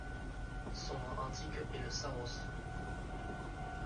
Son nom antique est le Saros.